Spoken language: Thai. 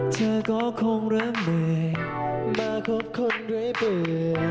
เธอก็คงเริ่มเหนื่อยมาคบคนเรื่อยเบื่อ